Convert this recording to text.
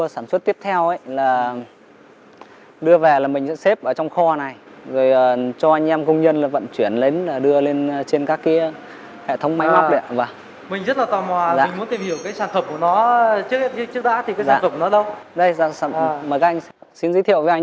sản xuất rồi cộng với các kỹ thuật của anh em công nhân